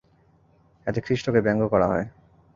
এতে খ্রীস্টকে ব্যঙ্গ করা হয়।